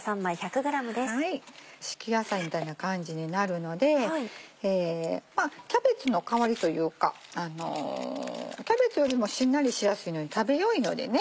敷き野菜みたいな感じになるのでキャベツの代わりというかキャベツよりもしんなりしやすいのに食べよいのでね